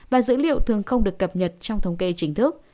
và dữ liệu thường không được cập nhật trong thống kê chính thức